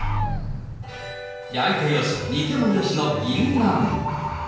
焼いてよし、煮てもよしのぎんなん。